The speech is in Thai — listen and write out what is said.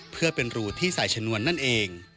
เพื่อเป็นรูที่ใส่ชนวนนั่นเอง